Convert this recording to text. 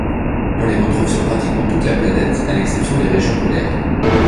On les retrouve sur pratiquement toute la planète, à l'exception des régions polaires.